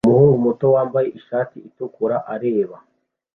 Umuhungu muto wambaye ishati itukura areba